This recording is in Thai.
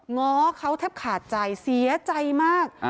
ง้อเขาแทบขาดใจเสียใจมาก